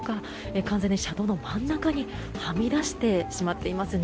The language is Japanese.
完全に車道の真ん中にはみ出してしまっていますね。